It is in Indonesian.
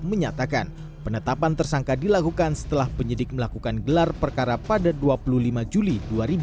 menyatakan penetapan tersangka dilakukan setelah penyidik melakukan gelar perkara pada dua puluh lima juli dua ribu dua puluh